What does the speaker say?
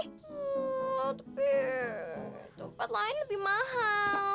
tapi tempat lain lebih mahal